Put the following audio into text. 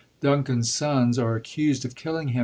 Duncan's sons are accused of killing him.